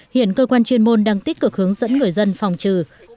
hiện cơ quan chuyên môn đang tích cực hướng dẫn người dân phòng trừ